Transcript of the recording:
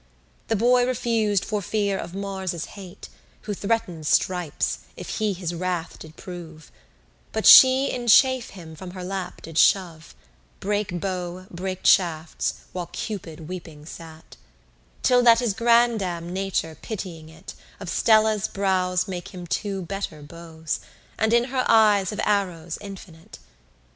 The boy refus'd for fear of Mars's hate, Who threaten'd stripes, if he his wrath did prove: But she in chafe him from her lap did shove, Brake bow, brake shafts, while Cupid weeping sate: Till that his grandame Nature pityijng it Of stella's brows make him two better bows, And in her eyes of arrows infinite.